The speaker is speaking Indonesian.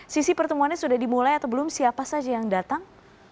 sisi pertemuannya sudah dimulai atau belum siapa saja yang datang